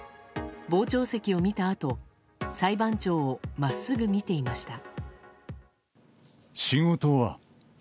傍聴席を見たあと裁判長を真っすぐ見ていました。